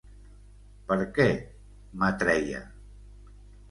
Per què m'atreia?